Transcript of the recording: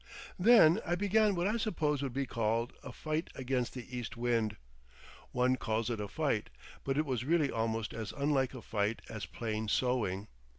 Then I began what I suppose would be called a Fight against the east wind. One calls it a Fight, but it was really almost as unlike a fight as plain sewing.